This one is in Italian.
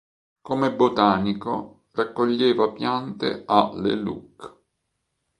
Come botanico, raccoglieva piante a Le Luc.